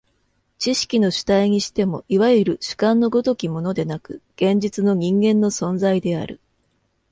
知識の主体にしても、いわゆる主観の如きものでなく、現実の人間の存在である。